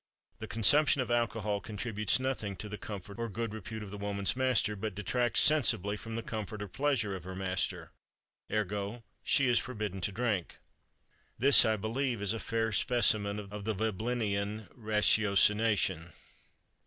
The consumption of alcohol contributes nothing to the comfort or good repute of the woman's master, but "detracts sensibly from the comfort or pleasure" of her master. Ergo, she is forbidden to drink. This, I believe, is a fair specimen of the Veblenian ratiocination.